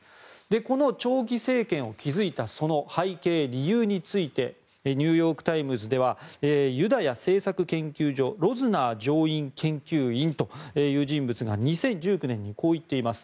この長期政権を築いたその背景、理由についてニューヨーク・タイムズではユダヤ政策研究所ロズナー上級研究員という人物が２０１９年にこう言っています。